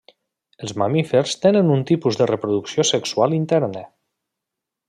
Els mamífers tenen un tipus de reproducció sexual interna.